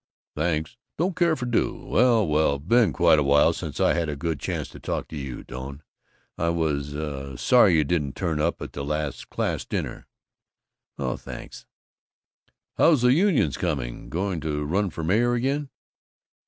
"Thanks. Don't care if I do. Well, well! Been quite a while since I've had a good chance to talk to you, Doane. I was, uh Sorry you didn't turn up at the last class dinner." "Oh thanks." "How's the unions coming? Going to run for mayor again?"